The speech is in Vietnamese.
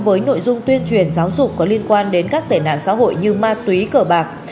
với nội dung tuyên truyền giáo dục có liên quan đến các tệ nạn xã hội như ma túy cờ bạc